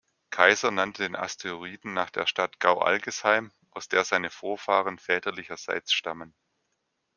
Kaiser nannte den Asteroiden nach der Stadt Gau-Algesheim, aus der seine Vorfahren väterlicherseits stammen.